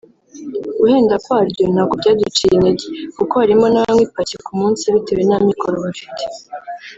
Guhenda kwaryo ntabwo byaduciye intege kuko harimo n’abanywa ipaki ku munsi bitewe n’amikoro bafite